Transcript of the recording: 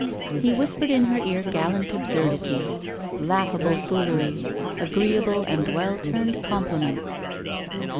He whispered in her ear gallant absurdities, laughable fooleries, agreeable and well turned compliments.